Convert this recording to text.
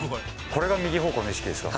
これが右方向の意識ですか？